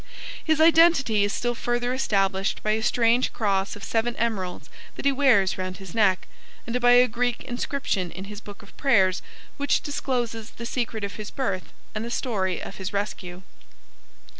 His identity is still further established by a strange cross of seven emeralds that he wears round his neck, and by a Greek inscription in his book of prayers which discloses the secret of his birth and the story of his rescue.